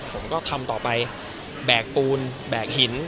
ผมก็ทำต่อไปแบกปูนแบกหิน